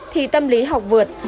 thì tâm lý học vượt